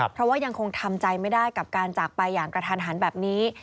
เพราะว่ายังคงทำใจไม่ได้กับการจากไปอย่างกระทันหันแบบนี้